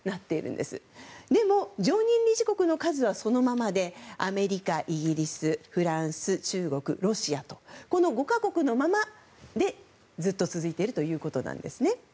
でも、常任理事国の数はそのままでアメリカ、イギリス、フランス中国、ロシアのこの５か国のままで、ずっと続いているということです。